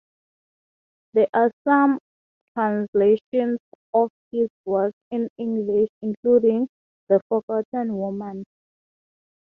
There are some translations of his work in English including "The Forgotten Woman".